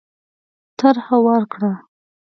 طرح ورکړه.